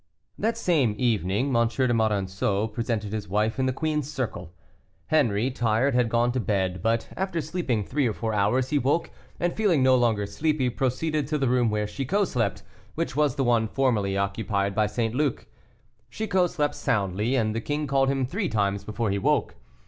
That same evening M. de Monsoreau presented his wife in the queen's circle. Henri, tired, had gone to bed, but after sleeping three or four hours, he woke, and feeling no longer sleepy, proceeded to the room where Chicot slept, which was the one formerly occupied by St. Luc; Chicot slept soundly, and the king called him three times before he woke.